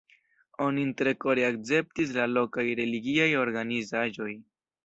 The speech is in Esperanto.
Onin tre kore akceptis la lokaj religiaj organizaĵoj.